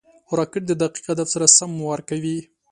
راکټ د دقیق هدف سره سم وار کوي